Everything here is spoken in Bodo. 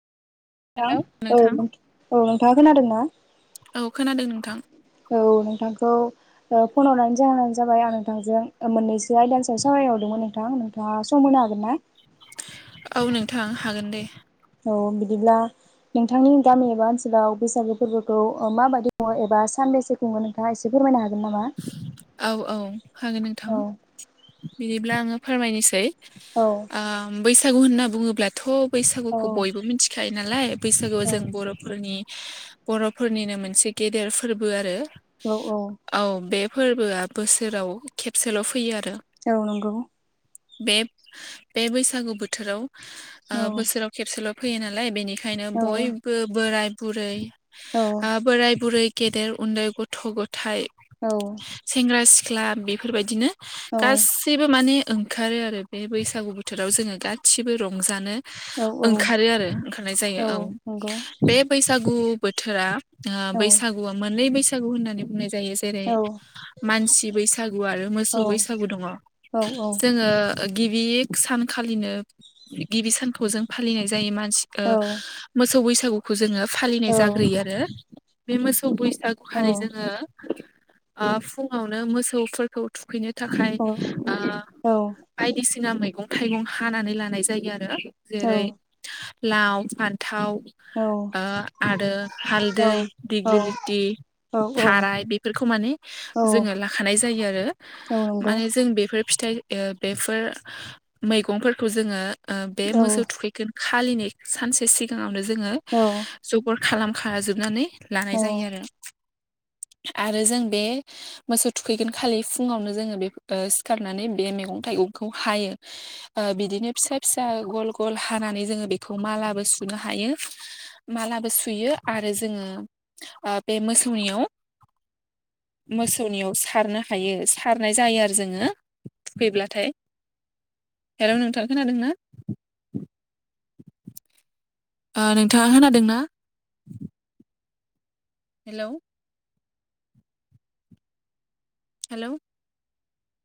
नोंथां औ नोंथां औ नोंथाङा खोनादोंना औ औ खोनादों नोंथां नोंथांखौ ओ फनहरनायनि जाहोनानो जाबाय आं नोंथांजों ओ मोननैसो आयदानि सायाव सावरायनो ह'रदोंमोन नोंथां नोंथांआ सम होनो हागोन ना औ नोंथां हागोन दे औ बिदिब्ला नोंथांनि गामि एबा ओनसोलाव बैसागु फोरबोखौ ओ माबायदि खुङो एबा साबेसे खुङो नोंथाङा एसे फोरमायनो हागोन नामा? औ औ हागोन नोंथां औ बिदिब्ला आङो फोरमायनोसै औ ओ बैसागु होनना बुङोब्लाथ' औ बैसागुखौ बयबो मिथिखायो नालाय बैसागुआव जों औ बर'फोरनि बर'फोरनिनो मोनसे गेदेर फोरबो आरो औ औ औ बे फोरबोआ बोसोराव खेबसेल' फैयो आरो औ नंगौ बे बे बैसागु बोथोराव ओ औ बोसोराव खेबसेल' फैयो नालाय बेनिख बेखायनो औ बयबो बोराय बुरै औ ओ बोराय बुरै गेदेर उन्दै गथ' गथाय औ सेंग्रा सिख्ला बिफोरबायदिनो गासैबो माने ओंखारो आरो बे बैसागु बोथोराव जोङो गासिबो रंजानो औ औ ओंखारो आरो ओंखारनाय जायो औ बे बैसाग बैसागु बोथोरा ओ औ बैसागुआ मोननै बैसागु होननानै बुंनाय जायो जेरै औ मानसि बैसागु आरो मोसौ औ बैसागु दङ औ जोङो गिबि सानखालिनो गिबि सानखौ जों फालिनाय जायो म ओ औ मोसौ बैसागुखौ जोङो फालिनाय औ जाग्रोयो आरो बे मोसौ बैसा गुखालि जोङो ओ फुङावनो मोसौफोरखौ थुखैनो थाखाय ओ बायदिसिना मैगं थाइगं हानानै लानाय जायो आरो जेरै हो लाव फान्थाव ओ औ-औ-औ-औ-औ-औ-औ-औ-औ-औ-औ-औ आरो हालदै दिगिलिथि थाराय बे खौ माने जोङो लाखानाय जायो आरो नंगौ माने जों बे बेफोर फिथाइ ओ बेफोर मैगंफोरखौ जोङो ओ बे मोसौ थुखैगोन खालिनि सानसे सिगांआवनो जोङो औ-औ-औ जगार खालामखाजोबनानै लानाय जायो आरो आरो जों बे मोसौ थुखैगोन खालि फुङावनो जोङो बे ओ सिखारनानै बे मैगं थाइगं खौ जोंङो हायो ओ बिदिनो फिसा फिसा ग'ल ग'ल हानानै जोङो बेखौ मालाबो सुनो ह हायो मालाबो सुयो आरो जोङो ओ बे मोसौनियाव [inaudible] मोसौनिआव सारनो हायो सारनाय जायो आरो जोङो थुखैब्लाथाय हेल' नोंथां खोनादों ना? [inaudible] ओ नोंथाङा खोनादोंना? हेलौ हेल'